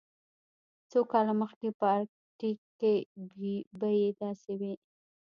څو کاله مخکې په ارکټیک کې بیې داسې وې